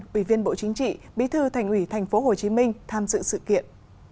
ủy viên bộ chính trị bí thư thành ủy tp hcm tham dự sự kiện